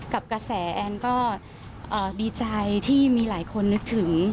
กับกระแสแอนก็ดีใจที่มีหลายคนนึกถึง